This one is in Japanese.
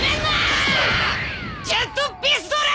ジェットピストル！